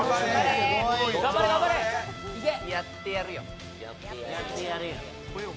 やってやるよ。